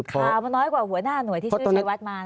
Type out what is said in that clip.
ข่าวมันน้อยกว่าหัวหน้าหน่วยที่ชื่อชัยวัดมา